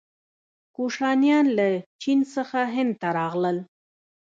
کوشانیان له چین څخه هند ته راغلل.